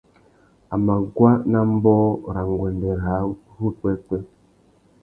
A mà guá nà ambōh râ nguêndê râā upwêpwê.